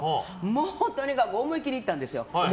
もうとにかく思い切り行ったんですよ。